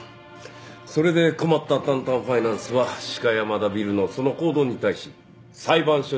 それで困ったタンタンファイナンスは鹿山田ビルのその行動に対し裁判所に訴えてきた。